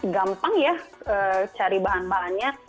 gampang ya cari bahan bahannya